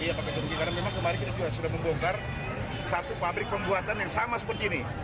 ini juga sudah membongkar satu pabrik pembuatan yang sama seperti ini